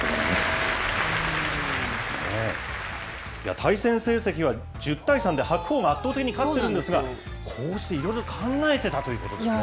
対戦成績は１０対３で白鵬が圧倒的に勝ってるんですが、こうしていろいろ考えてたということですね。